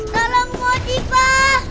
tolong bu haji pak